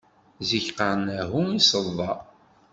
Zik qqaṛen ahu i ṣṣeḍa.